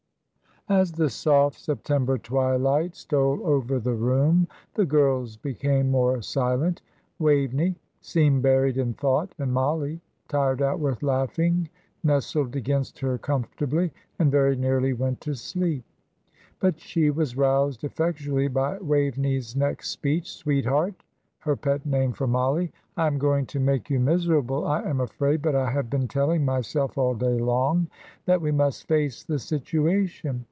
As the soft September twilight stole over the room, the girls became more silent. Waveney seemed buried in thought, and Mollie, tired out with laughing, nestled against her comfortably, and very nearly went to sleep. But she was roused effectually by Waveney's next speech. "Sweetheart" her pet name for Mollie "I am going to make you miserable, I am afraid, but I have been telling myself all day long that we must face the situation.